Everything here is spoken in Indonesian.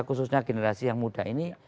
khususnya generasi yang muda ini